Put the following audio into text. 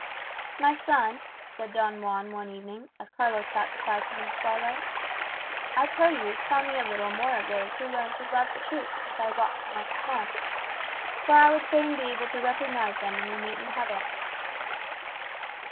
"My son," said Don Juan one evening, as Carlos sat beside him in the twilight, "I pray you, tell me a little more of those who learned to love the truth since I walked amongst men. For I would fain be able to recognize them when we meet in heaven."